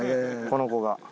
この子が。